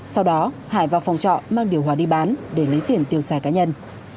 sau đó hải vào phòng trọ mang điều hòa đi bán để lấy tiền tiêu xài cá nhân